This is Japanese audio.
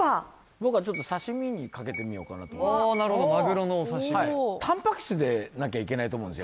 僕はちょっと刺身に賭けてみようかなとなるほどマグロのお刺身タンパク質でなきゃいけないと思うんです